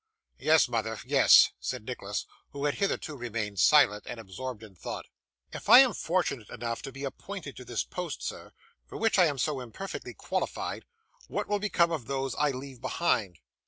'Yes, mother, yes,' said Nicholas, who had hitherto remained silent and absorbed in thought. 'If I am fortunate enough to be appointed to this post, sir, for which I am so imperfectly qualified, what will become of those I leave behind?